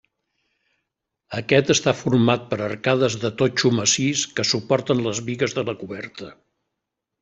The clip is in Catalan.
Aquest està format per arcades de totxo massís que suporten les bigues de la coberta.